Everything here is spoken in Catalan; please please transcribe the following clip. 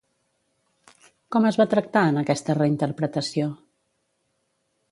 Com es va tractar en aquesta reinterpretació?